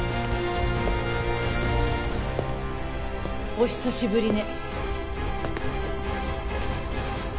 お久しぶりね